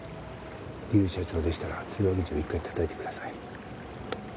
劉社長でしたら通話口を１回叩いてください。